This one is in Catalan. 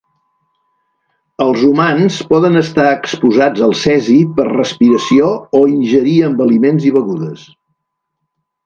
Els humans poden estar exposats al cesi per respiració o ingerir amb aliments i begudes.